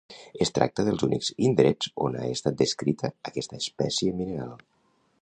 Es tracta dels únics indrets on ha estat descrita aquesta espècie mineral.